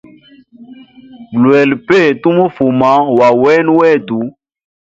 Lwela pe tu mufuma wa wena wetu.